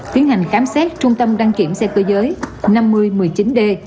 tiến hành khám xét trung tâm đăng kiểm xe cơ giới năm nghìn một mươi chín d